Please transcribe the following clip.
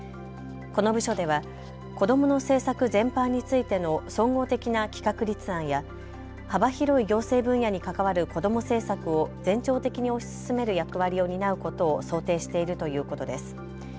この部署では子どもの政策全般についての総合的な企画立案や幅広い行政分野に関わる子ども政策を全庁的に推し進める役割を担うことを想定しているということです。